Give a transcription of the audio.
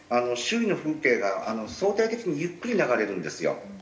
周囲の風景が相対的にゆっくり流れるんですよ。